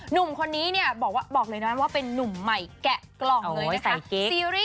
หนุ่มคนนี้เนี่ยบอกเลยนะว่าเป็นนุ่มใหม่แกะกล่องเลยนะคะ